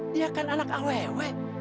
dia kan anak awewe